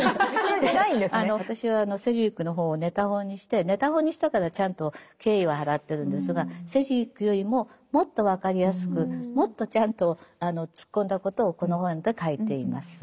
私はセジウィックの本をネタ本にしてネタ本にしたからちゃんと敬意は払ってるんですがセジウィックよりももっと分かりやすくもっとちゃんと突っ込んだことをこの本で書いています。